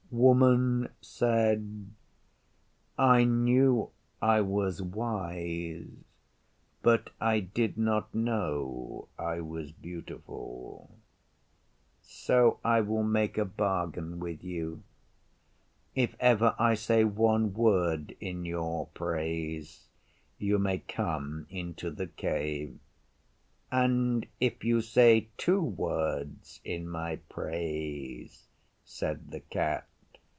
Woman said, 'I knew I was wise, but I did not know I was beautiful. So I will make a bargain with you. If ever I say one word in your praise you may come into the Cave.' 'And if you say two words in my praise?' said the Cat.